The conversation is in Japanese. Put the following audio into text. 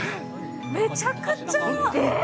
めちゃくちゃ。